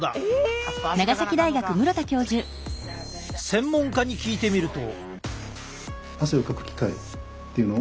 専門家に聞いてみると。